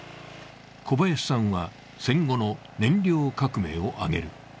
小林さんは戦後の燃料革命を挙げる。